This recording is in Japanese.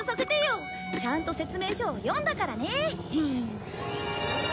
ちゃんと説明書を読んだからね。